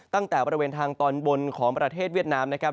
ตั้งแต่บริเวณทางตอนบนของประเทศเวียดนามนะครับ